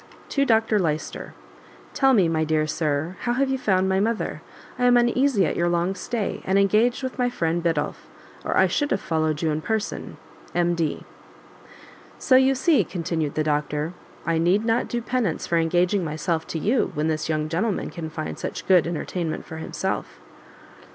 To Dr Lyster. Tell me, my dear Sir, how you have found my mother? I am uneasy at your long stay, and engaged with my friend Biddulph, or I should have followed you in person. M.D. "So you see," continued the doctor, "I need not do penance for engaging myself to you, when this young gentleman can find such good entertainment for himself."